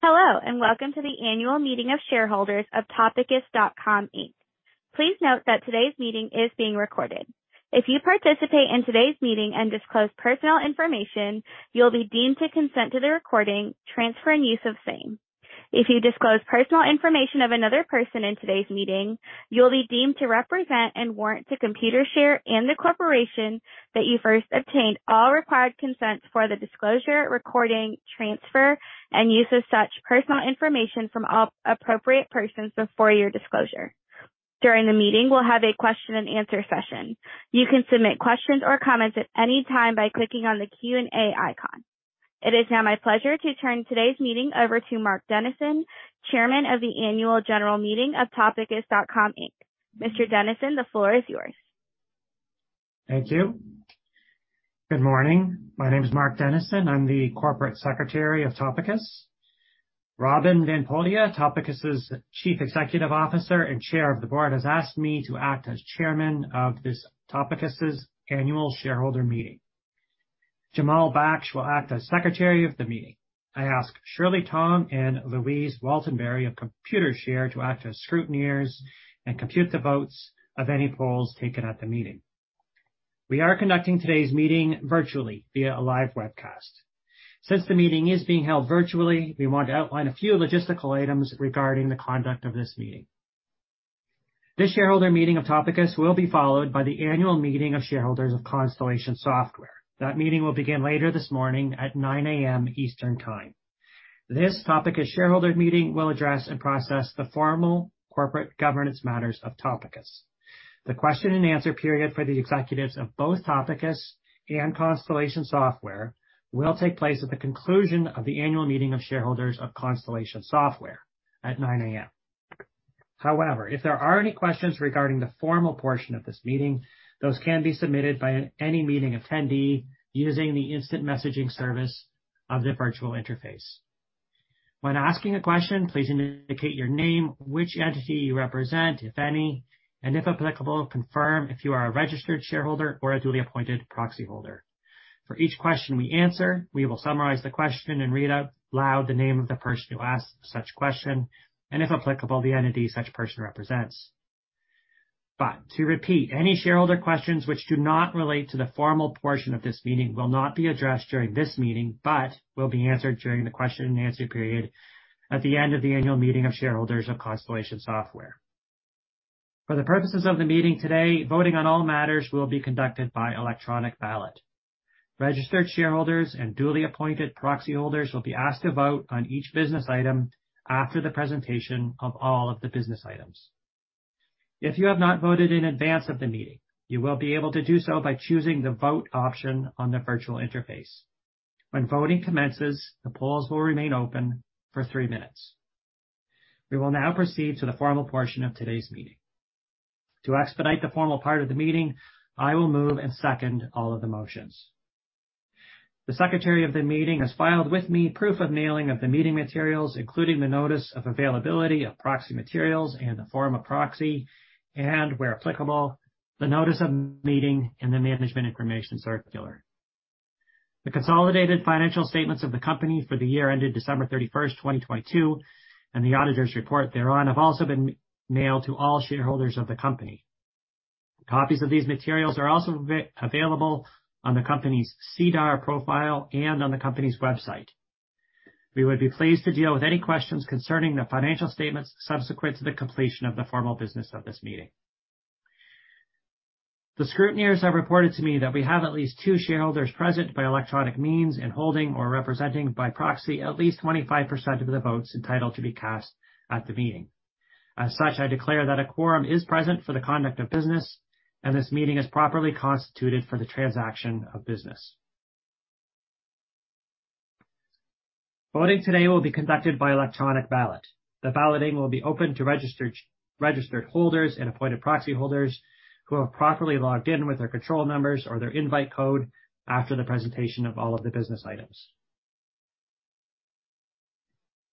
Hello, welcome to the annual meeting of shareholders of Topicus.com Inc. Please note that today's meeting is being recorded. If you participate in today's meeting and disclose personal information, you'll be deemed to consent to the recording, transfer, and use of same. If you disclose personal information of another person in today's meeting, you'll be deemed to represent and warrant to Computershare and the corporation that you first obtained all required consents for the disclosure, recording, transfer, and use of such personal information from all appropriate persons before your disclosure. During the meeting, we'll have a question and answer session. You can submit questions or comments at any time by clicking on the Q&A icon. It is now my pleasure to turn today's meeting over to Mark Dennison, Chairman of the annual general meeting of Topicus.com Inc. Mr. Dennison, the floor is yours. Thank you. Good morning. My name is Mark Dennison. I'm the corporate secretary of Topicus. Robin van Poelje, Topicus' Chief Executive Officer and Chair of the Board, has asked me to act as chairman of this, Topicus' annual shareholder meeting. Jamal Baksh will act as secretary of the meeting. I ask Shirley Tom and Louise Waltenbury of Computershare to act as scrutineers and compute the votes of any polls taken at the meeting. We are conducting today's meeting virtually via a live webcast. Since the meeting is being held virtually, we want to outline a few logistical items regarding the conduct of this meeting. This shareholder meeting of Topicus will be followed by the annual meeting of shareholders of Constellation Software. That meeting will begin later this morning at 9:00 A.M. Eastern Time. This Topicus shareholders meeting will address and process the formal corporate governance matters of Topicus. The question and answer period for the executives of both Topicus and Constellation Software will take place at the conclusion of the annual meeting of shareholders of Constellation Software at 9:00 A.M. However, if there are any questions regarding the formal portion of this meeting, those can be submitted by any meeting attendee using the instant messaging service of the virtual interface. When asking a question, please indicate your name, which entity you represent, if any, and if applicable, confirm if you are a registered shareholder or a duly appointed proxyholder. For each question we answer, we will summarize the question and read out loud the name of the person who asked such question and, if applicable, the entity such person represents. To repeat, any shareholder questions which do not relate to the formal portion of this meeting will not be addressed during this meeting, but will be answered during the question and answer period at the end of the annual meeting of shareholders of Constellation Software. For the purposes of the meeting today, voting on all matters will be conducted by electronic ballot. Registered shareholders and duly appointed proxy holders will be asked to vote on each business item after the presentation of all of the business items. If you have not voted in advance of the meeting, you will be able to do so by choosing the vote option on the virtual interface. When voting commences, the polls will remain open for three minutes. We will now proceed to the formal portion of today's meeting. To expedite the formal part of the meeting, I will move and second all of the motions. The secretary of the meeting has filed with me proof of mailing of the meeting materials, including the notice of availability of proxy materials and the form of proxy, and where applicable, the notice of meeting and the Management Information Circular. The consolidated financial statements of the company for the year ended December 31st, 2022, and the auditor's report thereon have also been mailed to all shareholders of the company. Copies of these materials are also available on the company's SEDAR profile and on the company's website. We would be pleased to deal with any questions concerning the financial statements subsequent to the completion of the formal business of this meeting. The scrutineers have reported to me that we have at least two shareholders present by electronic means and holding or representing by proxy at least 25% of the votes entitled to be cast at the meeting. I declare that a quorum is present for the conduct of business, and this meeting is properly constituted for the transaction of business. Voting today will be conducted by electronic ballot. The balloting will be open to registered holders and appointed proxyholders who have properly logged in with their control numbers or their invite code after the presentation of all of the business items.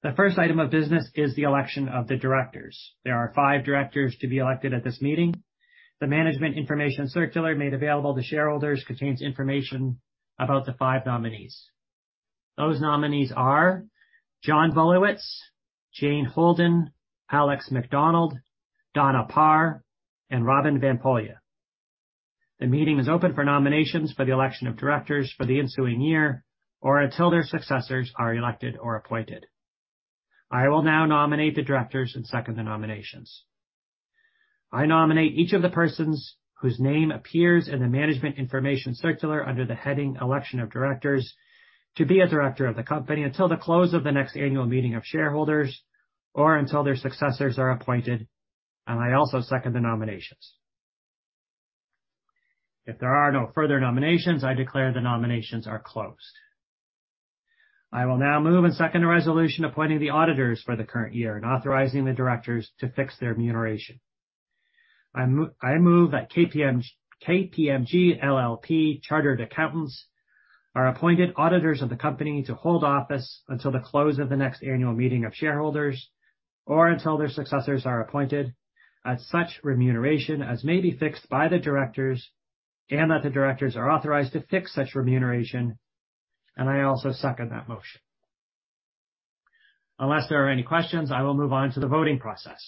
The first item of business is the election of the directors. There are five directors to be elected at this meeting. The Management Information Circular made available to shareholders contains information about the five nominees. Those nominees are John Billowits, Jane Holden, Alex Macdonald, Donna Parr, and Robin van Poelje. The meeting is open for nominations for the election of directors for the ensuing year or until their successors are elected or appointed. I will now nominate the directors and second the nominations. I nominate each of the persons whose name appears in the Management Information Circular under the heading Election of Directors, to be a director of the company until the close of the next annual meeting of shareholders or until their successors are appointed. I also second the nominations. If there are no further nominations, I declare the nominations are closed. I will now move and second the resolution appointing the auditors for the current year and authorizing the directors to fix their remuneration. I move that KPMG LLP Chartered Accountants are appointed auditors of the company to hold office until the close of the next annual meeting of shareholders or until their successors are appointed at such remuneration as may be fixed by the directors. That the directors are authorized to fix such remuneration. I also second that motion. Unless there are any questions, I will move on to the voting process.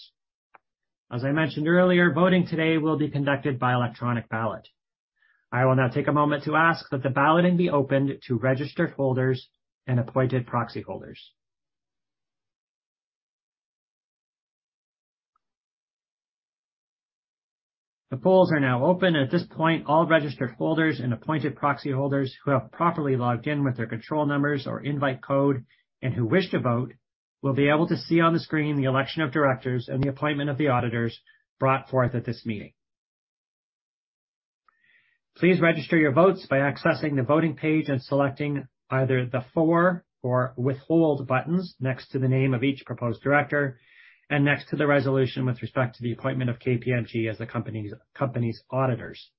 As I mentioned earlier, voting today will be conducted by electronic ballot. I will now take a moment to ask that the balloting be opened to registered holders and appointed proxy holders. The polls are now open. At this point, all registered holders and appointed proxy holders who have properly logged in with their control numbers or invite code and who wish to vote will be able to see on the screen the election of directors and the appointment of the auditors brought forth at this meeting. Please register your votes by accessing the voting page and selecting either the for or withhold buttons next to the name of each proposed director and next to the resolution with respect to the appointment of KPMG as the company's auditors.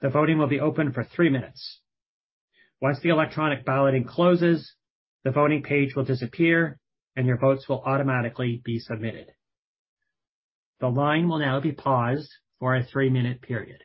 The voting will be open for three minutes. Once the electronic balloting closes, the voting page will disappear and your votes will automatically be submitted. The line will now be paused for a three-minute period.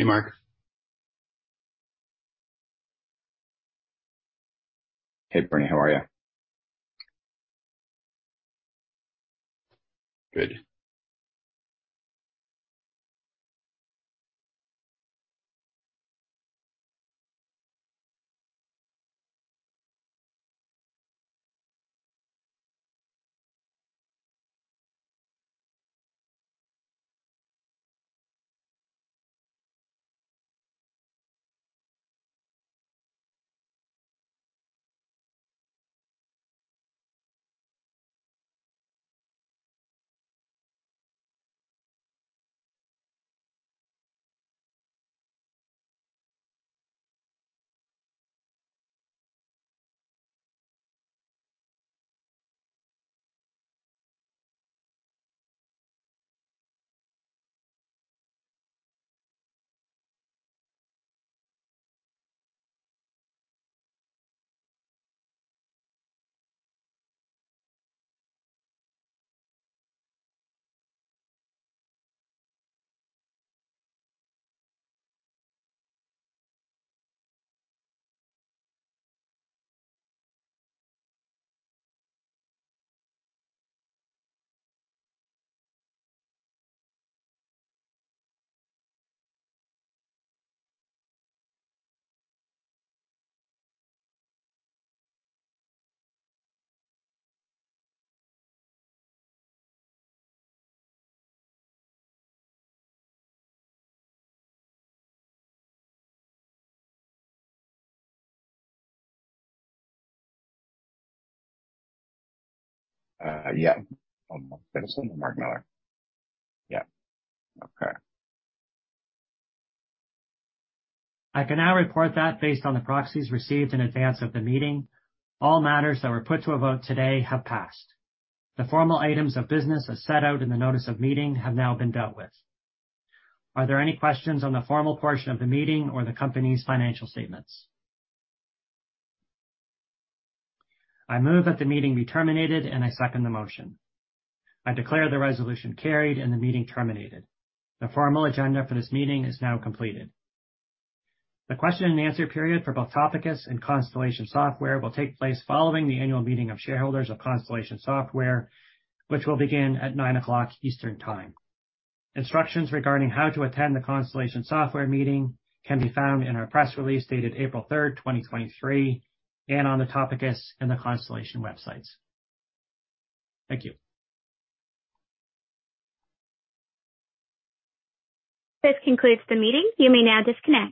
Hey, Mark. Hey, Bernie. How are you? Good. yeah. Mark Dennison and Mark Miller. Yeah. Okay I can now report that based on the proxies received in advance of the meeting, all matters that were put to a vote today have passed. The formal items of business as set out in the notice of meeting have now been dealt with. Are there any questions on the formal portion of the meeting or the company's financial statements? I move that the meeting be terminated. I second the motion. I declare the resolution carried and the meeting terminated. The formal agenda for this meeting is now completed. The question and answer period for both Topicus and Constellation Software will take place following the annual meeting of shareholders of Constellation Software, which will begin at 9:00 Eastern Time. Instructions regarding how to attend the Constellation Software meeting can be found in our press release dated April 3rd, 2023, and on the Topicus and the Constellation websites. Thank you. This concludes the meeting. You may now disconnect.